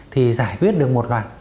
thì giải quyết được một loạt